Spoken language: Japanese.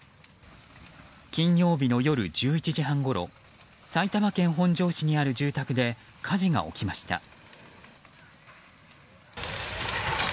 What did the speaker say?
金曜日の夜１１時半ごろ埼玉県本庄市にある住宅で火事が起きました。